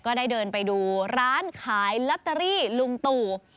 ได้เดินไปดูร้านขายลอตเตอรี่ลุงตู่